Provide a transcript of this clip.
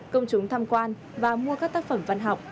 công chúng tham quan và mua các tác phẩm văn học